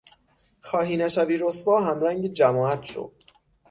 خواهی نشوی رسوا همرنگ جماعت شو